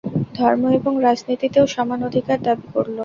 ধর্ম এবং রাজনীতিতেও সমান অধিকার দাবী করল।